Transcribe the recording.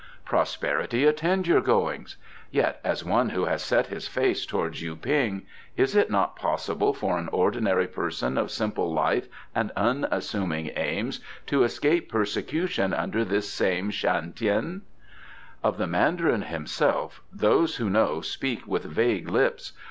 "Prosperity attend your goings. Yet, as one who has set his face towards Yu ping, is it not possible for an ordinary person of simple life and unassuming aims to escape persecution under this same Shan Tien?" "Of the Mandarin himself those who know speak with vague lips.